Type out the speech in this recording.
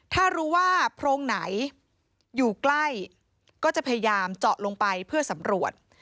ถ้ารู้ว่าโพรงไหนอยู่ใกล้ก็จะพยายามเจาะลงไปเพื่อสำรวจ